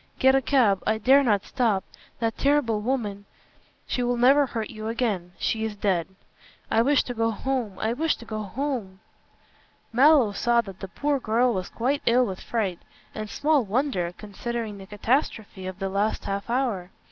Get a cab. I dare not stop. That terrible woman " "She will never hurt you again. She is dead." "I wish to go home I wish to go home." Mallow saw that the poor girl was quite ill with fright; and small wonder, considering the catastrophe of the last half hour.